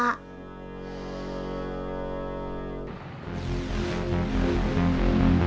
kalau bapak nggak pergi nggak ada